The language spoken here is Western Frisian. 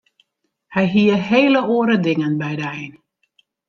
Hy hie hele oare dingen by de ein.